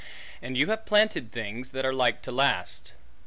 And you have planted Things, that are like to last.